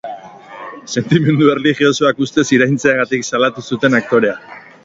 Sentimendu erlijiosoak ustez iraintzeagatik salatu zuten aktorea.